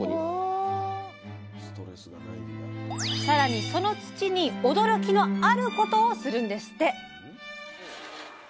さらにその土に驚きの「あること」をするんですって！